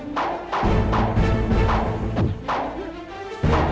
lagi menyifat bahwa